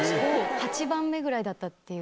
８番目ぐらいだったっていう。